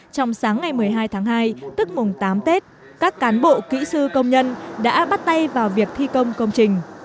trong sáng ngày một mươi hai tháng hai tức mùng tám tết các cán bộ kỹ sư công nhân đã bắt tay vào việc thi công công trình